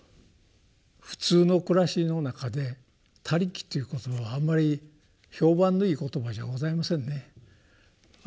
普通の暮らしの中で「他力」という言葉はあんまり評判のいい言葉じゃございませんね。